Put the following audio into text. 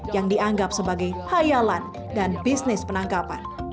yang dianggap sebagai hayalan dan bisnis penangkapan